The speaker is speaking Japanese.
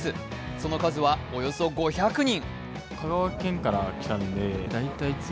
その数はおよそ５００人。